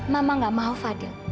mama nggak mau fadil